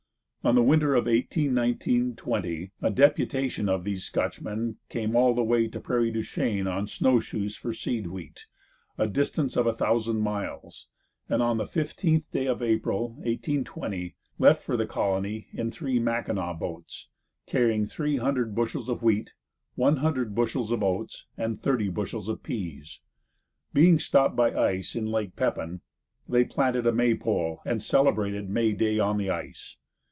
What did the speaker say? During the winter of 1819 20 a deputation of these Scotchmen came all the way to Prairie du Chien on snowshoes for seed wheat, a distance of a thousand miles, and on the fifteenth day of April, 1820, left for the colony in three Mackinaw boats, carrying three hundred bushels of wheat, one hundred bushels of oats, and thirty bushels of peas. Being stopped by ice in Lake Pepin, they planted a May pole and celebrated May day on the ice.